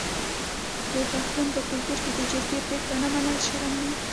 د پښتنو په کلتور کې د جرګې پریکړه نه منل شرم دی.